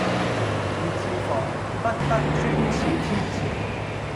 宜自防，不得專恃天朝